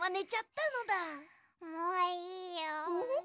もういいよ。